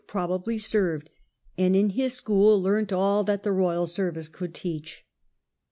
probably served, and in his school learnt all that the royal service could teach.